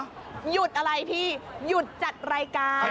หยุดอะไรพี่หยุดจัดรายการ